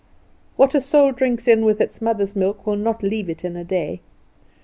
What a soul drinks in with its mother's milk will not leave it in a day.